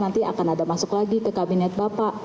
nanti akan ada masuk lagi ke kabinet bapak